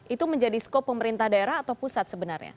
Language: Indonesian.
itu menjadi skop pemerintah daerah atau pusat sebenarnya